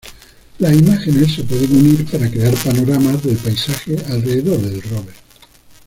Las imágenes se pueden unir para crear panoramas del paisaje alrededor del rover.